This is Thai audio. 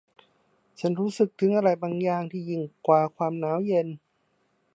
ฉันรู้สึกถึงอะไรบางอย่างที่ยิ่งกว่าความหนาวเย็น